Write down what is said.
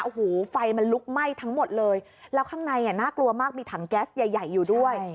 โอ้โหไฟมันลุกไหม้ทั้งหมดเลยแล้วข้างในน่ากลัวมากมีถังแก๊สใหญ่อยู่ด้วย